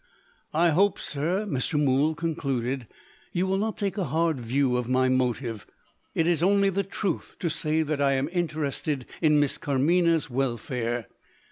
"I hope, sir," Mr. Mool concluded, "you will not take a hard view of my motive. It is only the truth to say that I am interested in Miss Carmina's welfare.